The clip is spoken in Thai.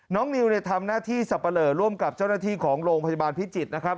นิวเนี่ยทำหน้าที่สับปะเหลอร่วมกับเจ้าหน้าที่ของโรงพยาบาลพิจิตรนะครับ